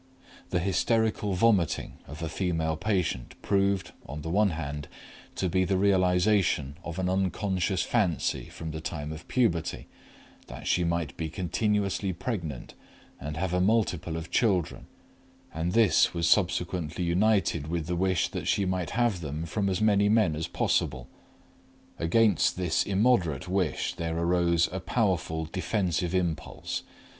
The hysterical vomiting of a female patient proved, on the one hand, to be the realization of an unconscious fancy from the time of puberty, that she might be continuously pregnant and have a multitude of children, and this was subsequently united with the wish that she might have them from as many men as possible. Against this immoderate wish there arose a powerful defensive impulse.